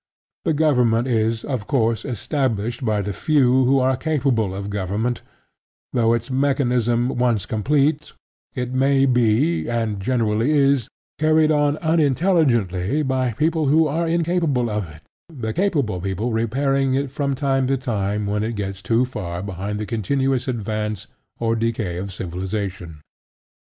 The government is of course established by the few who are capable of government, though its mechanism once complete, it may be, and generally is, carried on unintelligently by people who are incapable of it the capable people repairing it from time to time when it gets too far behind the continuous advance or decay of civilization.